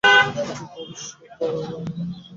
অতীত ভবিষ্যৎ তার নখদর্পণে।